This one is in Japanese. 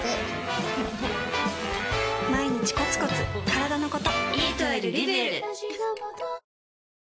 毎日コツコツからだのこと